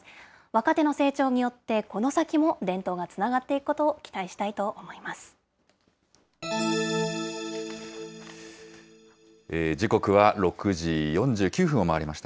若手の成長によって、この先も伝統がつながっていくことを期待したいと思います。